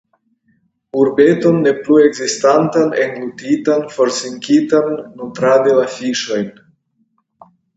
Urbeton ne plu ekzistantan, englutitan, forsinkintan nutradi la fiŝojn.